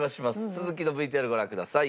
続きのＶＴＲご覧ください。